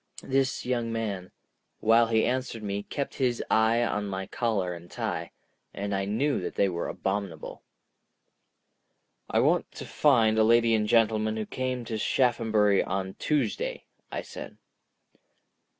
This young man, while he answered me, kept his eye on my collar and tie—and I knew that they were abominable. "I want to find a lady and gentleman who came to Shaphambury on Tuesday," I said.